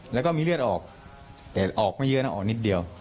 แล้วก็มีเลือดออกแต่ออกไม่เยอะนะออกนิดเดียว